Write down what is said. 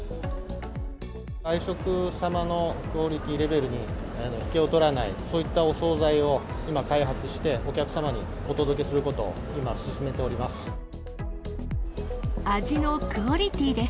外食様のクオリティレベルに引けを取らない、そういったお総菜を今、開発して、お客様にお届けすることを今、進めております。